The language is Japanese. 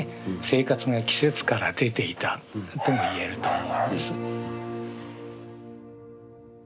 生活が季節から出ていたとも言えると思うんです。